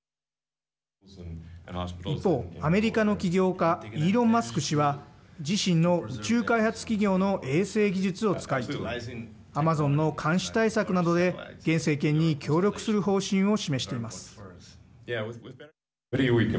一方、アメリカの企業家イーロン・マスク氏は自身の宇宙開発企業の衛星技術を使いアマゾンの監視対策などで現政権に協力する方針を示しています。